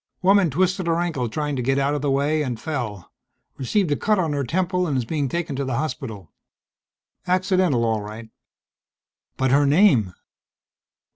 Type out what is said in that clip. "Woman twisted her ankle trying to get out of the way, and fell. Received a cut on her temple and is being taken to the hospital. Accidental all right." "But her name."